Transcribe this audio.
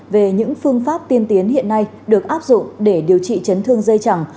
về những phương pháp tiên tiến hiện nay được áp dụng để điều trị chấn thương dây chẳng